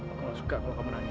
aku gak suka kalau kamu nangis